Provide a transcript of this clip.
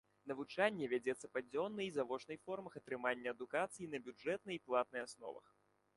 Навучанне вядзецца па дзённай і завочнай формах атрымання адукацыі на бюджэтнай і платнай асновах.